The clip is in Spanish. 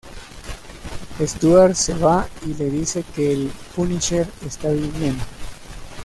Stuart se va y le dice que el Punisher está viniendo.